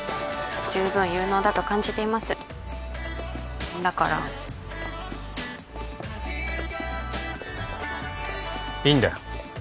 十分有能だと感じていますだからいいんだよ